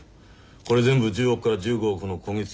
これ全部１０億から１５億の焦げつきだ。